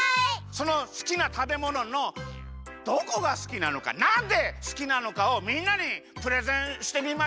そのすきなたべもののどこがすきなのかなんですきなのかをみんなにプレゼンしてみましょ。